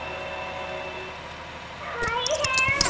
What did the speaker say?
たいへん！